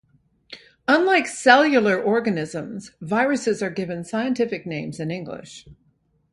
Unlike cellular organisms, viruses are given scientific names in English.